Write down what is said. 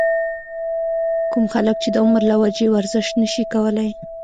کوم خلک چې د عمر له وجې ورزش نشي کولے